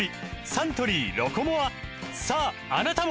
サントリー「ロコモア」さああなたも！